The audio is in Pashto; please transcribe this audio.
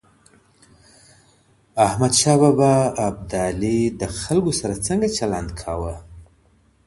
احمد شاه ابدالي د خلګو سره څنګه چلند کاوه؟